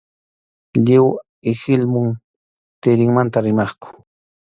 Lliw ihilmum tirinmanta rimaqku.